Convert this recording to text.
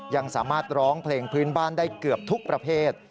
ยังสามารถร้องเพลงพื้นบ้านได้เกือบทุกประเภท